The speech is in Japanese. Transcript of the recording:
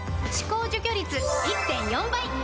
歯垢除去率 １．４ 倍！